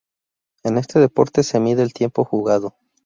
En este deporte se mide el tiempo jugado.